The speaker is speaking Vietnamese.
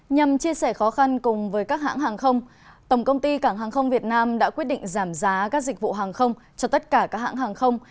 nhằm chia sẻ khó khăn cùng với các hãng hàng không tổng công ty cảng hàng không việt nam đã quyết định giảm giá các dịch vụ hàng không cho tất cả các hãng hàng không